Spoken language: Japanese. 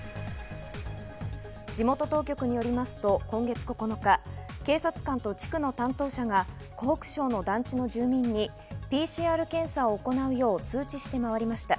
地元当局によりますと今月９日、警察官と地区の担当者が湖北省の団地の住民にＰＣＲ検査を行うよう通知して回りました。